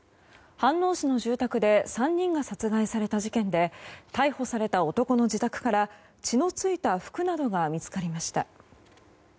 飯能市の住宅で３人が殺害された事件で逮捕された男の自宅から血の付いた服などが見つかりました。